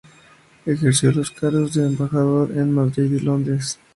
Ejerció los cargos de embajador en Madrid y Londres.